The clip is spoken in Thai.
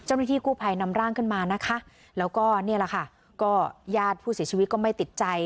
เจ้าหน้าที่กู้ภัยนำร่างขึ้นมานะคะแล้วก็นี่แหละค่ะก็ญาติผู้เสียชีวิตก็ไม่ติดใจ